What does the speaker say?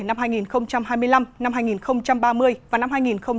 năm hai nghìn hai mươi năm năm hai nghìn ba mươi và năm hai nghìn hai mươi năm